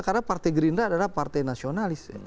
karena partai gerindra adalah partai nasionalis